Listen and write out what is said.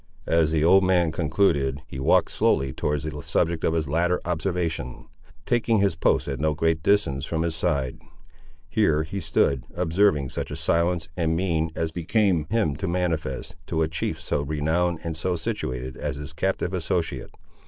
As the old man concluded, he walked slowly towards the subject of his latter observation, taking his post at no great distance from his side. Here he stood, observing such a silence and mien as became him to manifest, to a chief so renowned and so situated as his captive associate.